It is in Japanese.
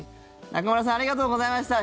中丸さんありがとうございました。